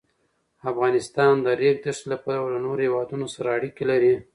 افغانستان د د ریګ دښتې له پلوه له نورو هېوادونو سره اړیکې لري.